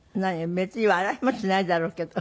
別に笑いもしないだろうけど。